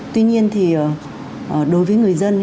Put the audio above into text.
tuy nhiên thì đối với người dân